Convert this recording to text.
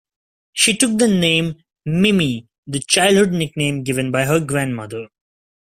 She took the name "Mimi", the childhood nickname given by her grandmother.